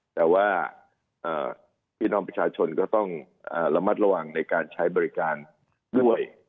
แต่ว่าพี่น้องประชาชนก็ต้องระมัดระวังในการใช้บริการด้วย